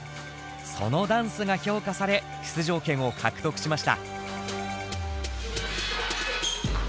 そのダンスが評価され出場権を獲得しました。